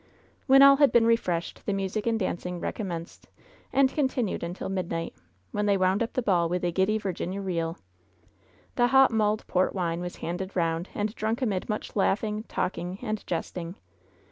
WTien all had been refreshed the music and dancing recompienced and continued until midnight, when they wotmd up the ball with the giddy Virginia reel. The hot mulled port wine was handed round and drunk amid much laughing, talking and jesting.